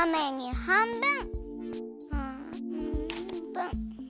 はんぶん。